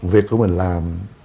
việc của mình làm